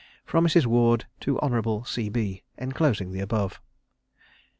_From Mrs. Ward to Honourable C. B, enclosing the above.